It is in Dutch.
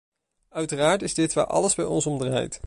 Uiteraard is dit waar alles bij ons om draait.